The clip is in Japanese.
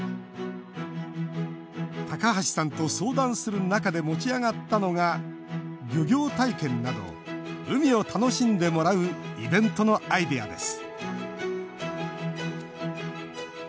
高橋さんと相談する中で持ち上がったのが漁業体験など海を楽しんでもらうイベントのアイデアです